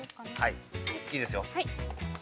いいですよ。